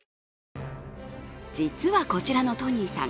実はこちらのトニーさん